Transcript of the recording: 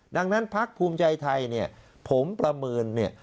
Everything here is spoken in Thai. ดังนั้นพักภูมิใจไทยเนี่ยผมประเมินเนี่ย